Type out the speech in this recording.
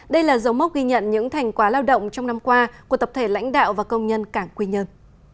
đây là dấu mốc ghi nhận những thành quá lao động trong năm qua của tập thể lãnh đạo và công nhân cảng quy nhân